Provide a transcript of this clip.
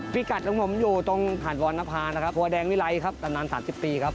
พี่กัดของผมอยู่ตรงหาดวรรณภาคมตัวแดงวิไรครับประมาณ๓๐ปีครับ